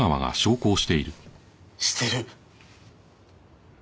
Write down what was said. してる。